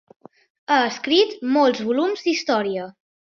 Ha escrit molts volums d'història.